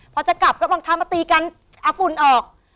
พอจะกลับก็ต้องทำมาตีกันอฝุ่นออก